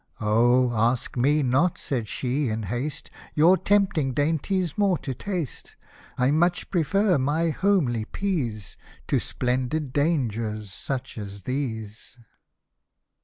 " Oh ! ask me not," said she, in haste, " Your tempting dainties more to taste ; I much prefer my homely peas To splendid dangers such as these."